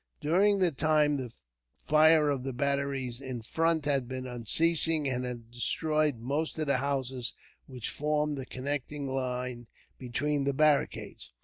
During this time the fire of the batteries in front had been unceasing, and had destroyed most of the houses which formed the connecting line between the barricades.